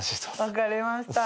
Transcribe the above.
分かりました。